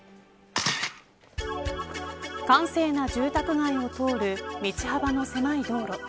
閑静な住宅街を通る道幅の狭い道路。